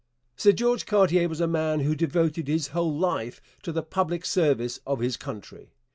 Sir George Cartier was a man who devoted his whole life to the public service of his country.